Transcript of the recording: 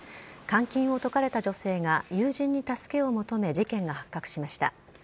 監禁を解かれた女性が友人に助けを求め、事件が発覚しました。